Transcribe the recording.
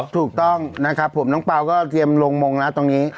ถูกต้องนะครับผมน้องเปล่าก็เตรียมลงมงแล้วตรงนี้